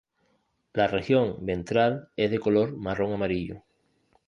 La región ventral es de color marrón-amarillo.